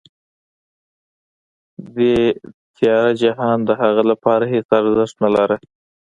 دې تیاره جهان د هغه لپاره هېڅ ارزښت نه درلود